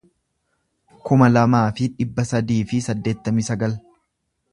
kuma lamaa fi dhibba sadii fi saddeettamii sagal